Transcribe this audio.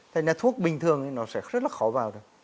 thế nên thuốc bình thường nó sẽ rất là khó vào được